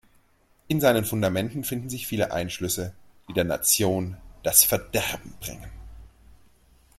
In seinen Fundamenten finden sich viele Einschlüsse, die der Nation das Verderben bringen.